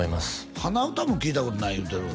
鼻歌も聴いたことない言うてる